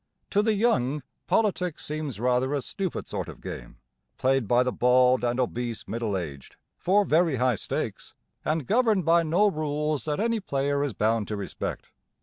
To the young, politics seems rather a stupid sort of game played by the bald and obese middle aged, for very high stakes, and governed by no rules that any player is bound to respect.